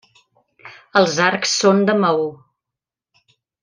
Els arcs són de maó.